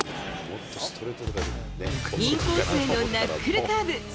インコースへのナックルカーブ。